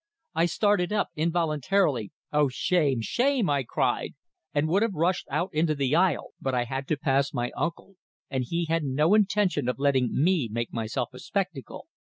I started up, involuntarily. "Oh, shame! Shame!" I cried, and would have rushed out into the aisle. But I had to pass my uncle, and he had no intention of letting me make myself a spectacle.